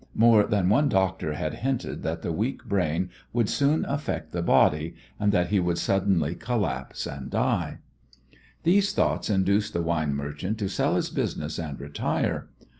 More than one doctor had hinted that the weak brain would soon affect the body, and that he would suddenly collapse and die. These thoughts induced the wine merchant to sell his business and retire.